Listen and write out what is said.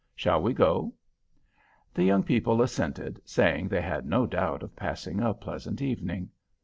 Shall we go?" The young people assented, saying they had no doubt of passing a pleasant evening.